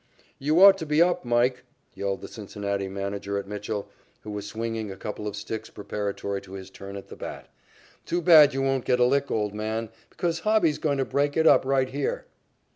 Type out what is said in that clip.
"You ought to be up, Mike," yelled the Cincinnati manager at Mitchell, who was swinging a couple of sticks preparatory to his turn at the bat. "Too bad you won't get a lick, old man, because Hobby's going to break it up right here."